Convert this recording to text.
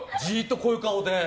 こういう顔で。